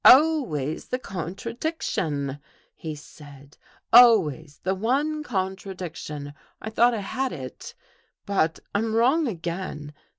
" Always the contradiction !" he said. " Always the one contradiction. I thought I had it. But I'm wrong again.